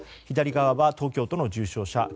左側は東京都の重症者。